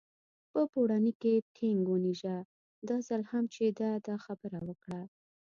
په پوړني کې ټینګ ونېژه، دا ځل هم چې ده دا خبره وکړه.